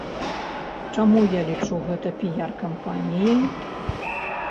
Чаму я лічу гэта піяр-кампаніяй?